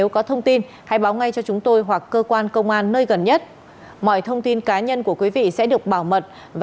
cảm ơn các bạn đã theo dõi